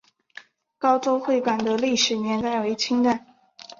高州会馆的历史年代为清代。